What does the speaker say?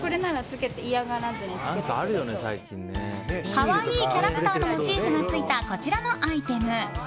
可愛いキャラクターのモチーフがついたこちらのアイテム。